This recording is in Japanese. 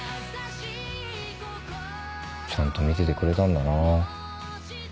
ちゃんと見ててくれたんだなぁ。